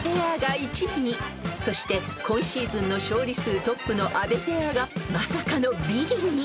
［そして今シーズンの勝利数トップの阿部ペアがまさかのビリに］